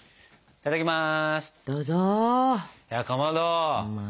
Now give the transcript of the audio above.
いただきます。